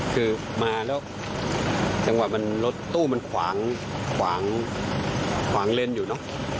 คือมาแล้วจังหวัดตู้มันขวางเลนอยู่เนอะ